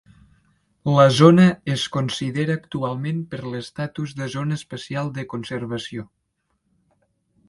La zona es considera actualment per l'estatus de Zona Especial de Conservació.